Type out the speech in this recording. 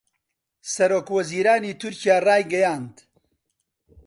سەرۆکوەزیرانی تورکیا رایگەیاند